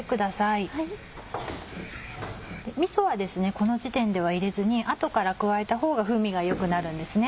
この時点では入れずに後から加えたほうが風味が良くなるんですね。